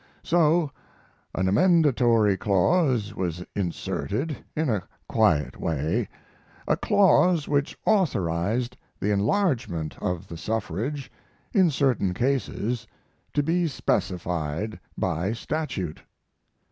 So an amendatory clause was inserted in a quiet way, a clause which authorized the enlargement of the suffrage in certain cases to be specified by statute....